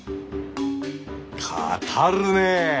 語るねえ！